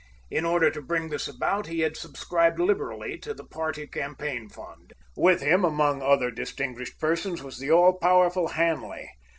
In order to bring this about he had subscribed liberally to the party campaign fund. With him, among other distinguished persons, was the all powerful Hanley.